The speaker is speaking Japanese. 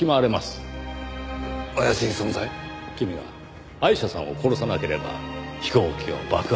君がアイシャさんを殺さなければ飛行機を爆破して墜落させる。